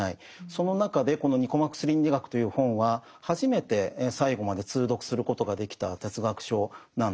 その中でこの「ニコマコス倫理学」という本は初めて最後まで通読することができた哲学書なんです。